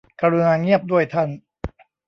กรุณาเงียบด้วยท่าน